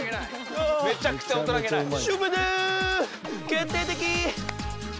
決定的！